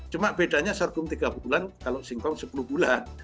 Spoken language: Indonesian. cuma bedanya sorghum tiga bulan kalau singkong sepuluh bulan